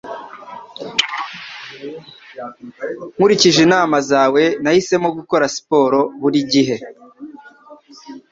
Nkurikije inama zawe, Nahisemo gukora siporo buri gihe